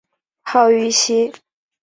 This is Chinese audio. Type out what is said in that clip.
号玉溪。